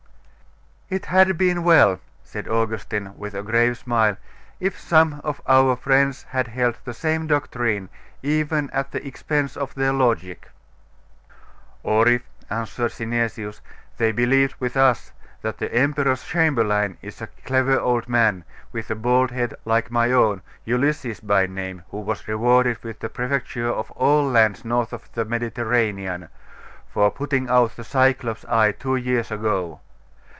'It had been well,' said Augustine, with a grave smile, 'if some of our friends had held the same doctrine, even at the expense of their logic.' 'Or if,' answered Synesius, 'they believed with us, that the emperor's chamberlain is a clever old man, with a bald head like my own, Ulysses by name, who was rewarded with the prefecture of all lands north of the Mediterranean, for putting out the Cyclop's eye two years ago.